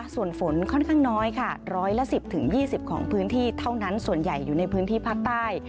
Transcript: ส่วนฝนค่อนข้างน้อยค่ะร้อยละ๑๐๒๐ของพื้นที่เท่านั้นส่วนใหญ่อยู่ในพื้นที่ภาคใต้